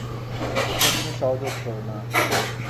এই প্রশ্নের সহজ উত্তর, না।